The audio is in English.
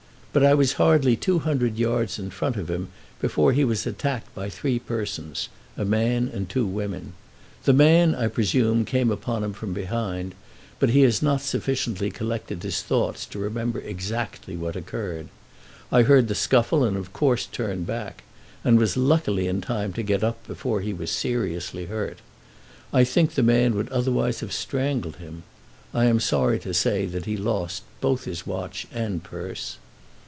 But I was hardly two hundred yards in front of him before he was attacked by three persons, a man and two women. The man I presume came upon him from behind, but he has not sufficiently collected his thoughts to remember exactly what occurred. I heard the scuffle and of course turned back, and was luckily in time to get up before he was seriously hurt. I think the man would otherwise have strangled him. I am sorry to say that he lost both his watch and purse.